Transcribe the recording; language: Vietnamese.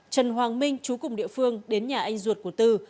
trần hoàng minh chú cùng địa phương đến nhà anh ruột của tư